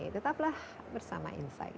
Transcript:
tetaplah bersama insight